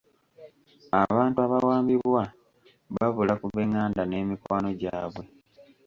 Abantu abawambibwa babula ku b'enganda n'emikwano gyabwe